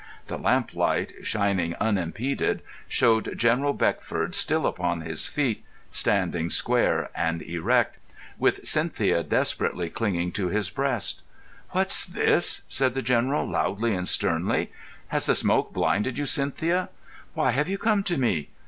The lamplight, shining unimpeded, showed General Beckford still upon his feet, standing square and erect, with Cynthia desperately clinging to his breast. "What's this?" said the General, loudly and sternly. "Has the smoke blinded you, Cynthia? Why have you come to me?